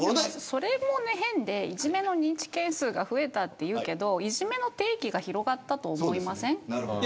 それも変で、いじめの認知件数が増えたというけれどいじめの定義が広がったと思いません。